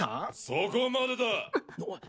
そこまでだ！